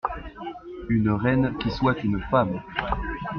Une reine qui soit une femme.